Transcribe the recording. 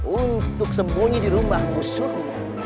untuk sembunyi di rumahku semua